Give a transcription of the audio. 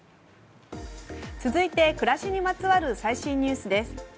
続いては暮らしにまつわる最新ニュースです。